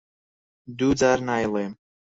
دوو جار نایڵێم.